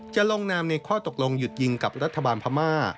จะลงนามในข้อตกลงหยุดยิงกับรัฐบาลพม่า